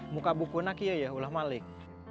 muka buku saya adalah ulah malik